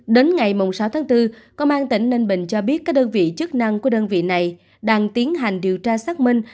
đến ngày sáu tháng bốn công an tỉnh ninh bình cho biết các đơn vị chức năng của đơn vị này đang tiến hành điều tra xác minh